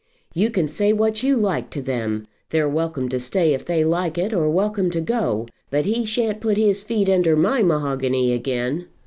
"You can say what you like to them. They're welcome to stay if they like it, or welcome to go; but he shan't put his feet under my mahogany again."